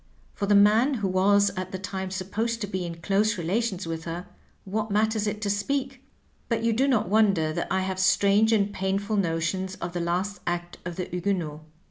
For the man who was at the time supposed to be in close relations with her, what matters it to speak % But you do not wonder that I have strange and painful notions of the last act of the ^ Huguenots.'